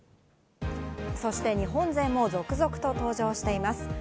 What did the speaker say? そして日本勢も続々と登場しています。